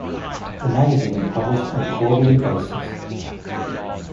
The magazine was published on a quarterly basis.